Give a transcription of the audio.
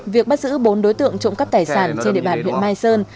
việc bắt giữ bốn đối tượng trộm cắp tài sản trên địa bàn huyện mai sơn